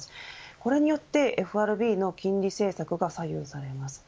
これによってＦＲＢの金利政策が左右されます。